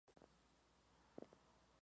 Además consta de tres baluartes.